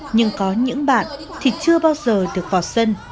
nhưng có những bạn thì chưa bao giờ được vào sân